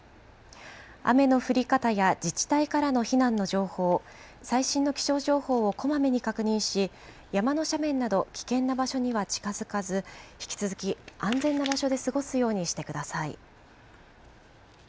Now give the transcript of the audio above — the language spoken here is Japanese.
雨の降り方や自治体からの避難の情報、最新の気象情報をこまめに確認し、山の斜面など、危険な場所には近づかず、引き続き、安全な場所で過ごすようにしてください。